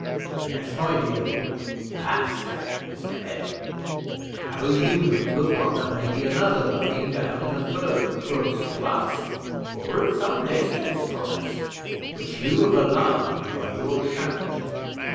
"Yes, my dear boy, that stag is dead; but how do you know but what there may be another lying down in the fern close to us, or at some distance from us, which you have alarmed by your shout?